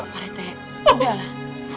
pak rete udah lah